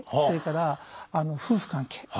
それから夫婦関係。